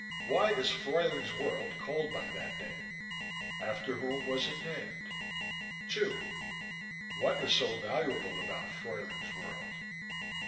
Why is Fruyling's World called by that name? After whom was it named? 2. What is so valuable about Fruyling's World?